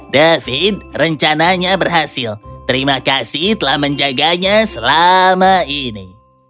david rencananya berhasil terima kasih telah menjaganya selama ini